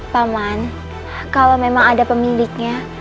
paman kalau memang ada pemiliknya